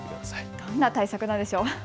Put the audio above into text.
どんな対策でしょう。